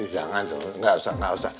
jangan dong gak usah